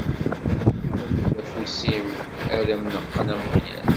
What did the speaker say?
Awi-d afus-im, ad am-neqqen ameqyas.